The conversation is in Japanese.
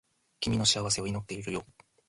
君の幸せを祈っているよ